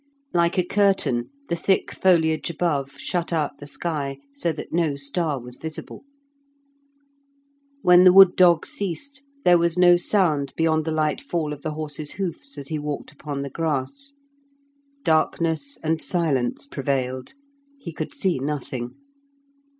Like a curtain the thick foliage above shut out the sky, so that no star was visible. When the wood dogs ceased there was no sound beyond the light fall of the horse's hoofs as he walked upon the grass. Darkness and silence prevailed; he could see nothing.